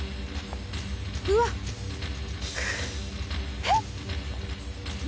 うわっえっ？